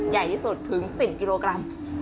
ใหญ่ที่สุดถึง๑๐กิโลกรัม